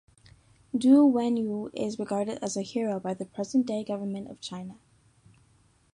Du Wenxiu is regarded as a hero by the present day government of China.